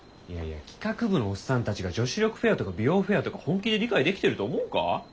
いやいや企画部のオッサンたちが女子力フェアとか美容フェアとか本気で理解できてると思うか？